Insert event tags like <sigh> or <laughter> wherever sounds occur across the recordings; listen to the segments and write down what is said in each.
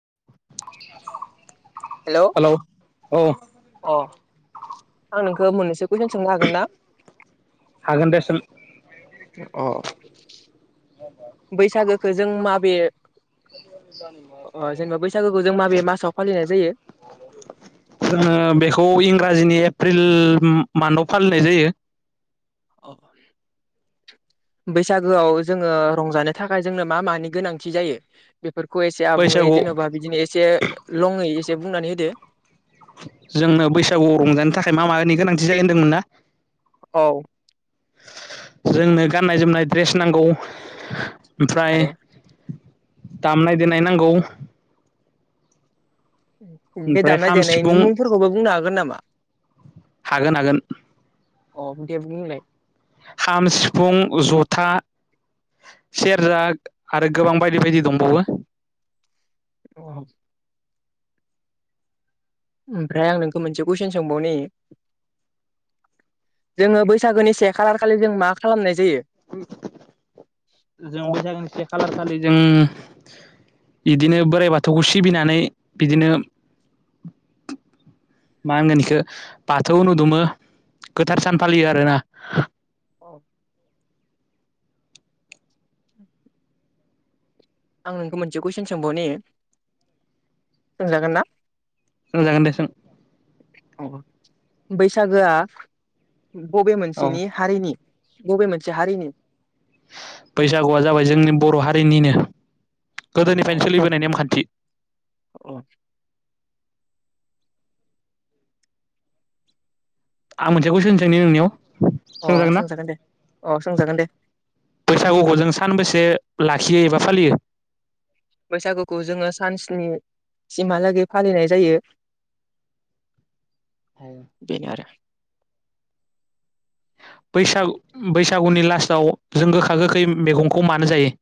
<inaudible> हेल' अ हेलौ औ आं नों <unintelligible> मोनैसो कुइसन सोंनो हागोन ना? हागोन दे सों। अ बैसागोखो जों माबे अ जेनेबा बैसागुखो जों माबे मासाव फालिनाय <unintelligible> जोङो बेखौ इंराजिनि एप्रिल मानदआव फालिनाय जायो। <inaudible> बैसागोआव जोङो रंजानो थाखाय जोंनो मा मानि गोनांथि जायो । <unintelligible> <unintelligible> एसे आबुङै बैसागु जेन'बा बिदिनो एसे लङै एसे बुंनानै होदो जोंनो बैसागुआव रंजानो थाखाय मा मानि गोनांथि जायो होनदोंमोन ना? औ जोंनो गाननाय जोमनाय द्रेस नांगौ। ओमफ्राय आरो दामनाय देनाय नांगौ। बे ओमफ्राय दामनाय खाम देनायनि सिफुं मुंफोरखौबो बुंनो हागोन नामा? हागोन हागोन अ <unintelligible> खाम सिफुं जथा सेरजा आरो गोबां बायदि बायदि दंबावो <inaudible> ओमफ्राय आं नोखो मोनसे कुइसन सोंबावनि जोङो बैसागोनि से खालार खालि जों मा खालामनाय जायो <inaudible> खालारखालि जों बिदिनो बोराइ बाथौखौ सिबिनानै बिदिनो <inaudible> मा होनगोन एखो बाथौ <unintelligible> गोथार सान फालियो आरो ना। <inaudible> <inaudible> आं नोंखो मोनसे कुइसन सोंबावनि सोंजागोन ना? <unintelligible> जागोन दे सों। बैसागोआ बबे औ मोनसेनि हारिनि बबे मोनसे हारिनि? बैसागुआ जाबाय जोंनि बर' हारिनिनो अ गोदोनिफ्रायनो सोलिबोनाय नेमखान्थि। अ। आं मोनसे कुइसनसैनि नोंनियाव। अ सोंजागोना सोंजागोन दे अ सोंजागोन दे बैसागुखौ जों सानबेसे ला खियो एबा फालियो। बैसागुखौ जोङो सानन्सि सिमहालागै फालिनाय जायो। बेनो आरो। बैसागु बैसागुनि लास्टाव जों गोखा गोखै मैगंखौ मानो जायो।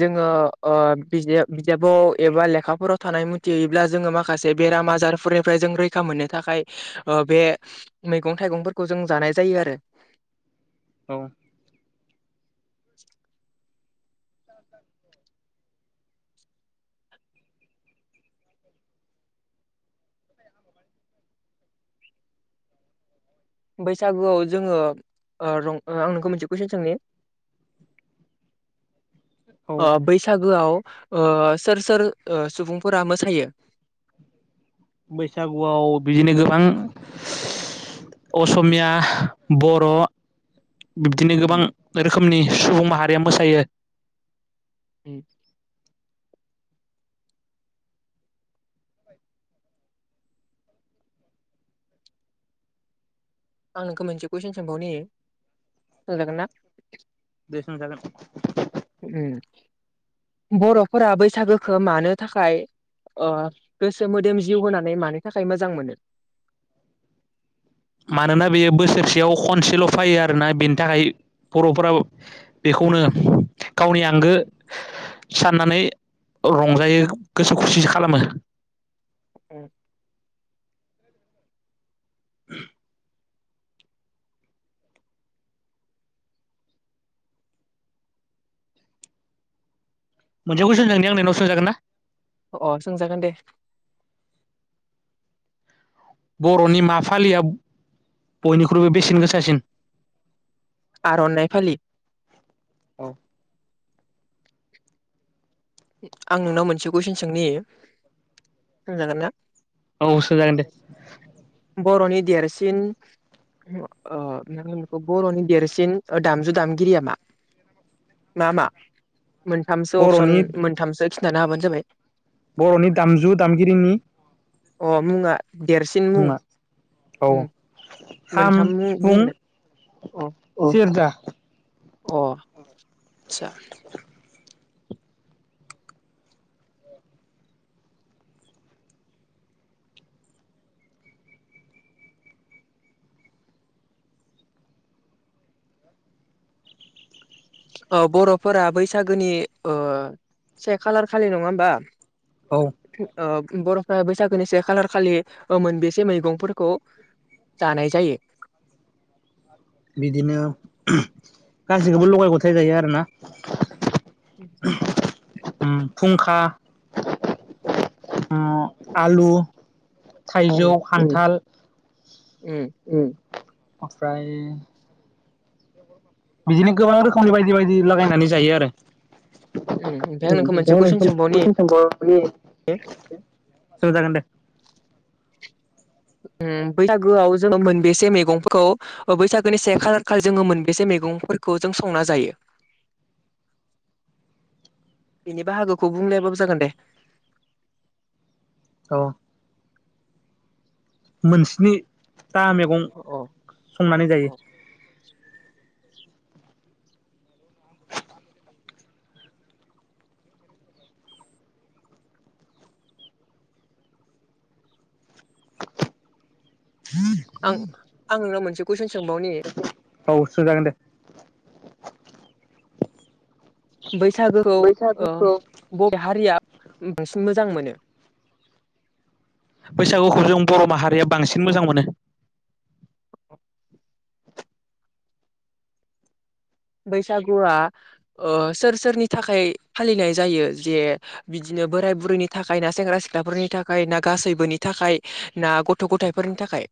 जोङो ओ बिजाब बिजाबाव एबा लेखाफोराव थानाय मतेहैब्ला जोङो माखासे बेराम आजारफोरनिफ्राय जों रैखा मोनो। मोननो थाखाय बे मैगं थाइगंफोरखौ जों जानाय जायो आरो। औ। बैसागुआव जोङो रं आं नोंखौ मिथि कुइसन सोंनि बैसागोआव सोर सोर सुबुंफोरा मोसायो बैसागुआव बिदिनो गोबां असमिया बर' बिब्दिनो गोबां उम रोखोमनि सुबुं माहारिया मोसायो उम आं नोंखौ मोनसे कुइसन सोंबावनि सोंजागोन ना दे सोंजागोन बर'फोरा बैसागोखौ मानो थाखाय अ गोसो मोदोम जिउ होनानै मानि थाखाय मोजां मोनो मानोना बेयो बोसोरसेयाव खनसेल' फैयो आरोना बेनि थाखाय बर'फोरा बेखौनो गावनि आंगो साननानै रंजायो गोसो खुसि खालामो औ मोनसेखौ सोंनि आं नोंनाव सोंजागोन ना अ सोंजागोन दे बर'नि मा फालिया बयनिख्रुइबो बेसेन गोसासिन आरनाय फलि आं नोंनाव मोनसे कुइसन सोंनि सोंजागोन ना औ सोंजागोन दे बर'नि देरसिन नों बेखौ बर'नि देरसिन दामजु दामगिरिया मा मा मा मोनथामसो अपसन बर'नि मोनथामसो खिन्थानो हाबानो जाबाय बर'नि दामजु दामगिरिनि अ मुङा देरसिन मुं। मुङा औ खाम मोनथाम मुं सिफुं बुंलाय अ जेरजा अ आतचा बर'फोरा बैसागोनि से खालार खालि नङा होमबा औ ओ बर'फ्रा बैसागोनि से खालार खालि मोनबसे मैगंफोरखौ जानाय जायो बिदिनो गाससिखौबो लगाय गथाय जायो आरोना। आ फुुंखा आलु उम थाइजौ खान्थाल उम। ओमफ्राय बिदिनो गोबां रोखोमनि बायदि बायदि लागायनानै जायो आरो उम ओमफ्राय आं नोंखौ मोनसे कुइसन सोंबावनि <unintelligible> सोजागोन दे उम बैसागोआव जोङो मोनबेसे मैगंखौ ओ बैसागोनि से खालार खालि जोङो मोनबेसे मैगं मैगंफोरखौ जों संना जायो बेनि बाहागोखौ बुंलायाबाबो जागोन दे औ मोनस्निथा मैगं अ अ संनानै जायो <inaudible> आं आं नोंनाव मोनसे कुइसन सोंबावनि औ सोंजागोन दे बैसागोखौ ओ बर' हारिया <unintelligible> मोजां मोनो बैसागुखौ जों बर' माहारिया बांसिन मोजां मोनो बैसागुआ ओ सोर सोरनि थाखाय फालिनाय जायो जे बिदिनो बोराय बुरैनि थाखाय ना सेंग्रा सिख्लाफोरनि थाखाय ना गासैबोनि थाखाय ना गथ' गथाइफोरनि थाखाय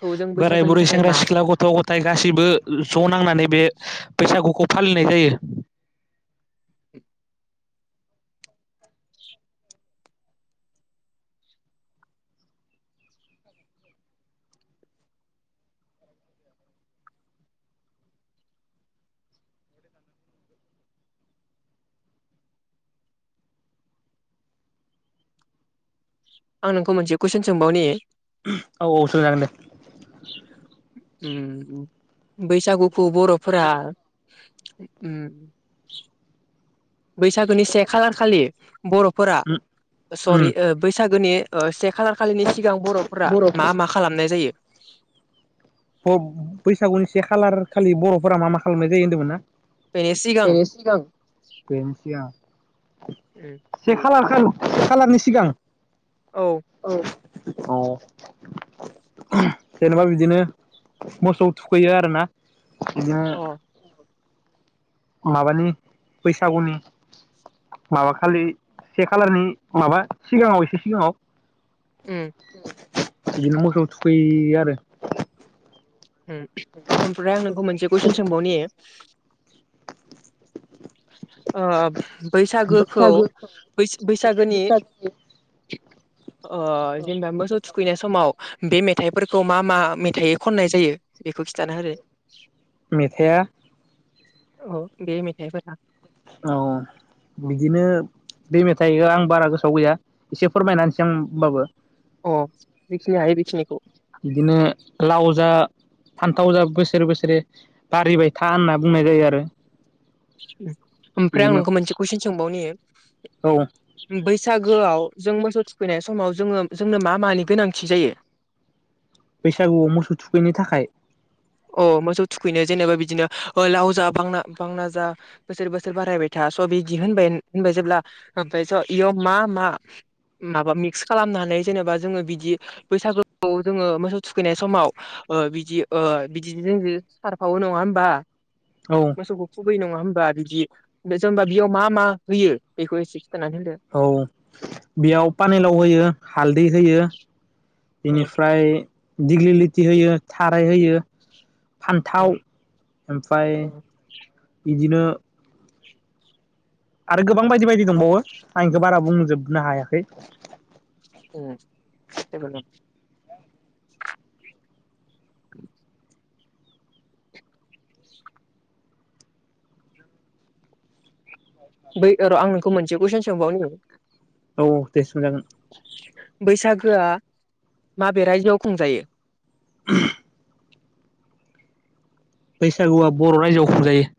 खौ जों बोराय बैसागुनि बुरै थाखाय सेंग्रा मा सिख्ला गथ' गथाय गासैबो ज' नांनानै बे बैसागुखौ फालिनाय जायो आं नोंखौ मोनसे कुइसन सोंबावनि औ औ सों जागोन दे बैसागुखौ बर'फोरा उम बैसागोनि से खालार खालि बर'फोरा उम सरि बैसागोनि ओ से खालार खालिनि सिगां बर'फोरा मा मा खालामनाय जायो बैसागुनि से खालार खालि बर'फोरा मा मा खालामनाय जायो होन्दोंमोन ना बेनो सिगां बेनो सिगां उम से खालार खालारनि सिगां औ औ अ जेनेबा बिदिनो मोसौ थुखैयो आरोना बिदिनो अ माबानि बैसागुनि माबा खालि से खालारनि माबा सिगाङाव एसे सिगाङाव उम बिदिनो मोसौ थुखैयो आरो ओमफ्राय आं नोंखौ मोनसे कुइसन सोंबावनि ओ बैसागोखौ बै-बैसागोनि ओ जेनेबा मोसौ थुखैनाय समाव बे मेथाइफोरखौ मा मा मेथाइै खननाय जायो बेखौ खिन्थाना होदो मेथाइया औ बेे मिथाइफोरा औ बिदिनो बे मेथाइ आं बारा गोसोआव गैया एसे फोरमायनानैसै आं होनबाबो अ जेखिनि हायो जेखिनिखौ बिदिनो लाव जा फान्थाव जा बोसोरै बोसोरे बारिबाय था होनना बुंनाय जायो आरो ओमफ्राय आं बिदिनो नोंखौ मोनसे कुइसन सोंबावनो औ बै बैसागोआव जों मोसौ थुखैनाय समाव जोङो जोंनो मा मानि गोनांथि जायो बैसागुआव मोसौ थुखैनो थाखाय अ मोसौ थुखैनो जेनेबा बिदिनो ओ लाव जा बांना बांना जा बोसोर बोसोर बारायबाय था स' बिदि होनबाय होनबाय जेब्ला ओमफ्राय स' इयाव मा मा माबा मिक्स खालामनानै जेनेबा जोङो बिदि बैसागुखौ जोङो मोसौ थुखैनाय समाव ओ बिदि ओ बिदि जों सारफावो नङा होमबा औ मोसौखौ नङा होमबा बिदि ओमफाय जेनेबा बेयाव मा मा होयो बेखौ एसे खिथानानै होदो औ बेयाव पानिलाव होयो हालदै होयो अ बेनिफ्राय दिग्लिलिथि होयो थाराय होयो अ फान्थाव ओमफ्राय अ बिदिनो आरो गोबां बायदि बायदि दंबावो आं एखौ बारा बुंजोबनो हायाखै उ जेबो <inaudible> बै र' आं नोंखौ मोनसे कुइसन सोंबावनो औ दे सोंजागोन बैसागोआ माबे राइजोआव खुंजायो <inaudible> बैसागुवा बर' रायजोआव खुंजायो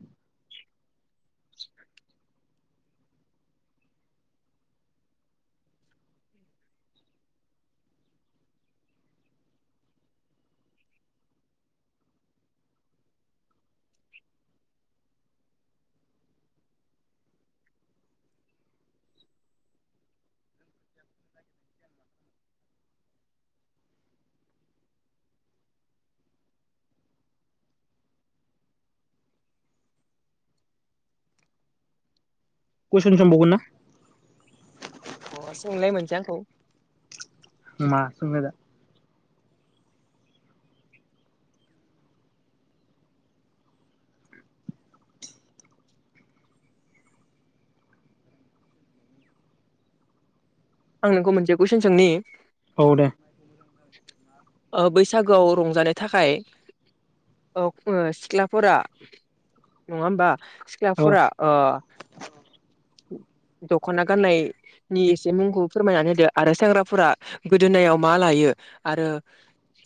कुइसन सोंबावगोन ना अ सोंलाय मोनसै आंखौ मा सोंनो दा आं नोंखौ मोनसे कुइसन सोंनि औ दे बैसागोआव रंजानो थाखाय औ सिख्लाफोरा नङा होमबा औ सिख्लाफोरा ओ दख'ना गाननायनि एसे मुंखौ फोरमायनानै होदो आरो सेंग्राफोरा गोदोनायाव मा लायो आरो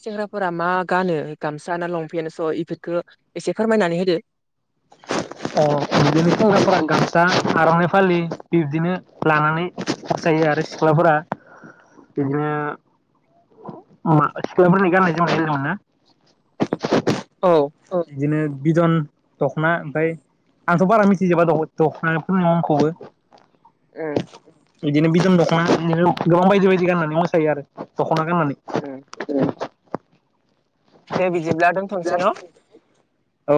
सेंग्राफोरा मा गानो गामसा ना लंपेन्ट स' इफोरफोरखौ एसे फोरमायनानै होदो दा आर'नाइ फालि बिब्दिनो लानानै मोसायो आरो सिख्लाफोरा बिदिनो मा सिख्लाफोरनि गाननाय-जोमनाय होनदोंमोन ना औ बिदिनो बिदन दख'ना ओमफ्राय आंथ' बारा मिथिजोबा द दख'नाफोरनि मुंखौबो ओम बिदिनो बिदन दख'ना बिदिनो गोबां बायदि बायदि गाननानै मोसायो आरो दख'ना उम गाननानै दे बिदिब्ला दोनथ'नोसै न' औ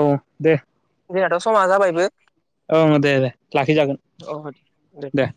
जोंहाथ' समा जाबायबो औ ओ दे दे लाखिजागोन अ दे <inaudible>